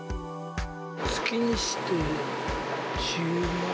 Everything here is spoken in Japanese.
月にして１０万。